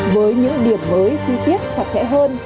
với những điểm mới chi tiết chặt chẽ hơn